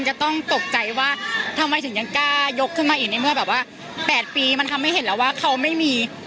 จะเป็นผู้นำประเทศที่๘ปีมาเนี่ยเศรษฐกิจหนึ่งทาง